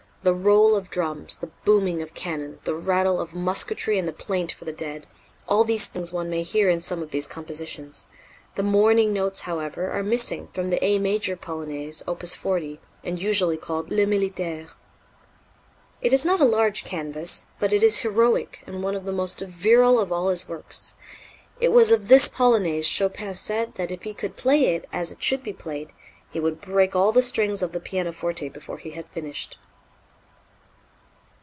The roll of drums, the booming of cannon, the rattle of musketry and the plaint for the dead all these things one may hear in some of these compositions. The mourning notes, however, are missing from the "A Major Polonaise," Opus 40, and usually called "Le Militaire." It is not a large canvas, but it is heroic and one of the most virile of all his works. It was of this polonaise Chopin said that if he could play it as it should be played, he would break all the strings of the pianoforte before he had finished.